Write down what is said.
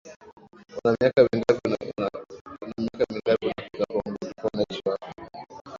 una miaka mingapi unafika congo ulikuwa unaishi wapi